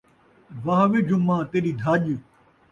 واہ وے جُماں تیݙی دھڄ